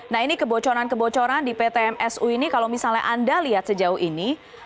nah ini kebocoran kebocoran di pt msu ini kalau misalnya anda lihat sejauh ini